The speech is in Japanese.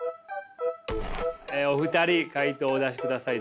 お二人回答をお出しください。